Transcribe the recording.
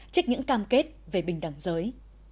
trích những cam kết về bình đẳng giới